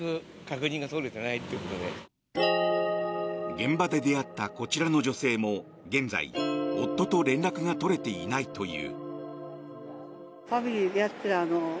現場で出会ったこちらの女性も現在、夫と連絡が取れていないという。